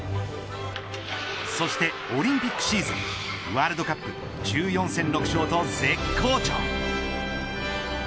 そしてオリンピックシーズンワールドカップ１４戦６勝と絶好調。